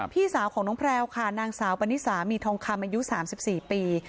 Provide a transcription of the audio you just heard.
พี่สาวของน้องแพลวค่ะนางสาวปณิสามีสามีทองคำอายุ๓๔ปี